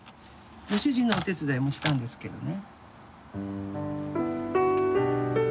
ご主人のお手伝いもしたんですけどね。